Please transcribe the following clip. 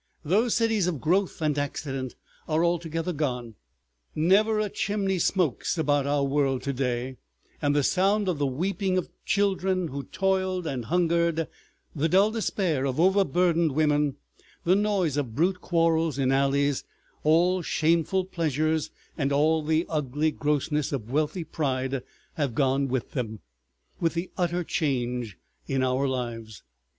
Those cities of growth and accident are altogether gone, never a chimney smokes about our world to day, and the sound of the weeping of children who toiled and hungered, the dull despair of overburdened women, the noise of brute quarrels in alleys, all shameful pleasures and all the ugly grossness of wealthy pride have gone with them, with the utter change in our lives.